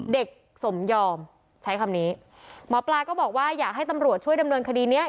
สมยอมใช้คำนี้หมอปลาก็บอกว่าอยากให้ตำรวจช่วยดำเนินคดีเนี้ย